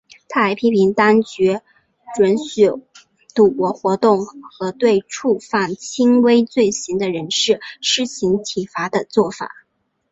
他还批评当局准许赌博活动和对触犯轻微罪行的人士施行体罚的作法。